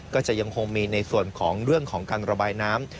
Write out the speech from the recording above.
ก็จะยังคงมีในส่วนของเรื่องของการระบายน้ำ